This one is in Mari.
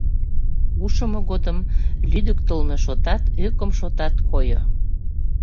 Ушымо годым лӱдыктылмӧ шотат, ӧкым шотат койо.